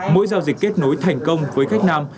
mỗi giao dịch kết nối thành công với khách nam